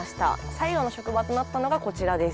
最後の職場となったのがこちらです。